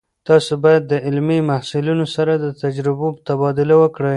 تاسو باید د علمي محصلینو سره د تجربو تبادله وکړئ.